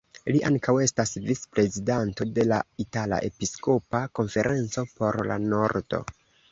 Li ankaŭ estas vic-prezidanto de la Itala Episkopa Konferenco por la Nordo.